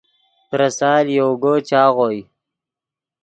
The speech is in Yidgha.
پریسال یوگو چاغوئے